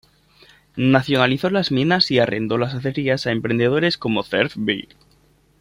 Nacionalizó las minas y arrendó las acerías a emprendedores como Cerf Beer.